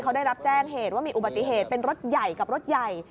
เขาได้รับแจ้งเหตุว่ามีอุบัติเหตุเป็นรถใหญ่กับรถใหญ่